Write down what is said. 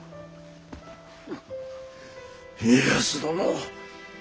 家康殿。